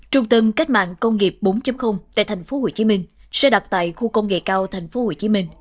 trung tâm cách mạng công nghiệp bốn tại tp hcm sẽ đặt tại khu công nghệ cao tp hcm